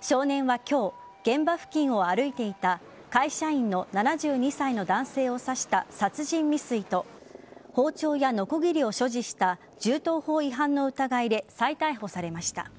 少年は今日現場付近を歩いていた会社員の７２歳の男性を刺した殺人未遂と包丁やのこぎりを所持した銃刀法違反の疑いで再逮捕されました。